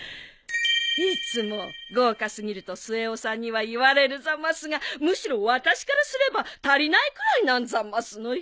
いつも豪華すぎると末男さんには言われるざますがむしろ私からすれば足りないくらいなんざますのよ。